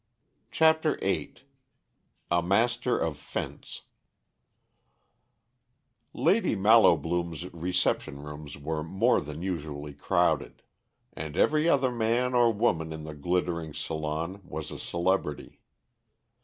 CHAPTER VIII A MASTER OF FENCE Lady Mallowbloom's reception rooms were more than usually crowded. And every other man or woman in the glittering salon was a celebrity.